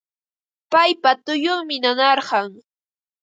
Paypa tullunmi nanarqan